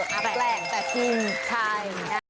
แหล่งแหล่งแหล่ง